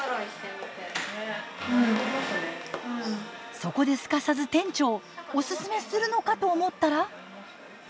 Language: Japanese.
そこですかさず店長オススメするのかと思ったら。